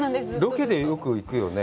ロケでよく行くよね。